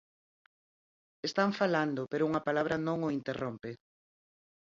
Están falando, pero unha palabra non o interrompe.